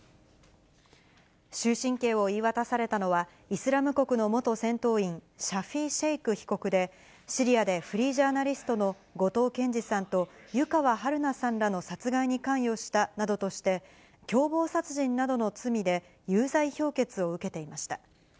終身刑を言い渡されたのは、イスラム国の元戦闘員、シャフィ・シェイク被告で、シリアでフリージャーナリストの後藤健二さんと湯川遥菜さんらの殺害に関与したなどとして、共謀殺人などの罪で有罪評決を受けていました。